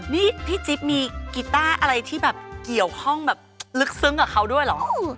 นี่พี่จิ๊บมีกีต้าอะไรที่แบบเกี่ยวข้องแบบลึกซึ้งกับเขาด้วยเหรอ